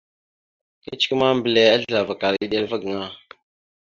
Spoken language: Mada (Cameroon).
Kecəkwe ma, mbelle azləlavakal eɗela va gaŋa.